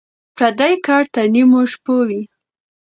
ـ پردى کټ تر نيمو شپو وي.